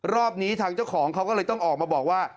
รอบนี้ทางเจ้าของเขาก็เลยต้องออกมาบอกว่า